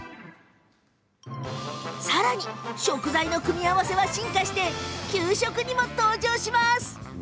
さらに、食材の組み合わせは進化して給食にも。